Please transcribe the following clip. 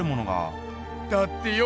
だってよ